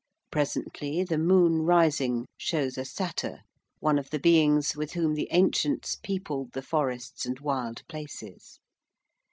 Presently the moon rising shows a Satyr, one of the beings with whom the ancients peopled the forests and wild places.